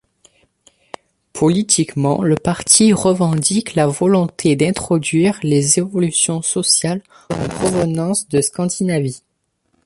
Politiquement le parti revendique la volonté d'introduire les évolutions sociales en provenance de Scandinavie.